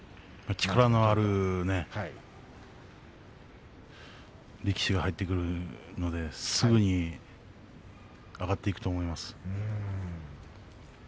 力のある力士が入ってくるのですぐに上がっていくと思います。